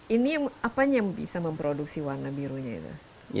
ini apanya yang bisa memproduksi warna birunya itu